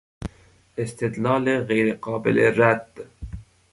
استدلال غیرقابل رد